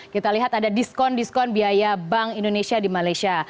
kita lihat ada diskon diskon biaya bank indonesia di malaysia